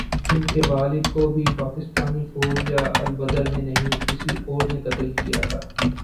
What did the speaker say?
ان کے والد کو بھی پاکستانی فوج یا البدر نے نہیں، کسی اور نے قتل کیا تھا۔